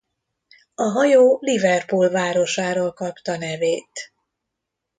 A hajó Liverpool városáról kapta nevét.